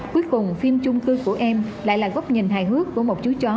cuối cùng phim trung cư của em lại là góp nhìn hài hước của một chú chó